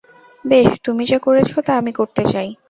বেশ, তুমি যা করেছ তা আমি করতে চাই।